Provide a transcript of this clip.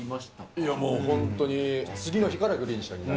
いやもう、本当に、次の日からグリーン車。